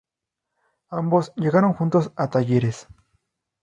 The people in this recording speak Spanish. Ambos llegaron juntos a Talleres.